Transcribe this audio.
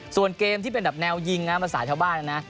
ส่วนเกมที่เป็นแนวยิงมาสาชาบ้านนะ